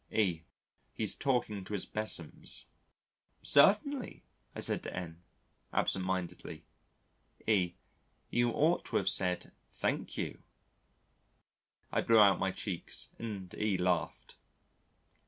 E : "He's talking to his besoms." "Certainly," I said to N , absent mindedly. E : "You ought to have said 'Thank you.'" I blew out my cheeks and E laughed.